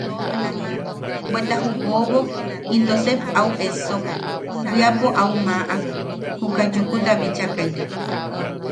Bweta ju bobok into sep au essok, bwiapo au maʼak, juka Yukuta bichakai.